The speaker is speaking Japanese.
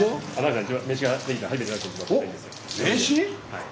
はい。